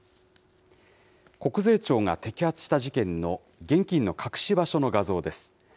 国税庁が摘発した事件の現金の隠し場所の画像です。